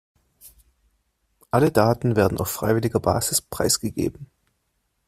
Alle Daten werden auf freiwilliger Basis preisgegeben.